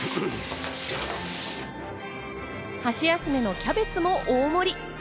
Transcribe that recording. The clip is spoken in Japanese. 箸休めのキャベツも大盛り。